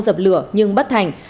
dập lửa nhưng bất thành